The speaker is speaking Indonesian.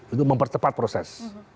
untuk mempercepat proses